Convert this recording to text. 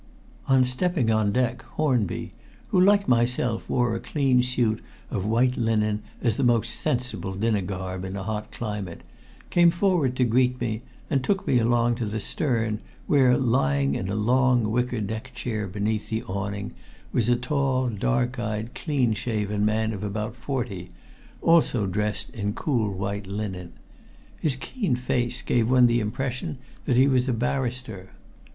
On stepping on deck Hornby, who like myself wore a clean suit of white linen as the most sensible dinner garb in a hot climate, came forward to greet me, and took me along to the stern where, lying in a long wicker deck chair beneath the awning, was a tall, dark eyed, clean shaven man of about forty, also dressed in cool white linen. His keen face gave one the impression that he was a barrister.